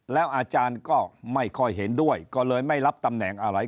แล้วอาจารย์ก็ไม่ค่อยเห็นด้วยก็เลยไม่รับตำแหน่งอะไร